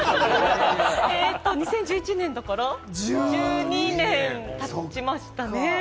２０１１年だから、１２年経ちましたね。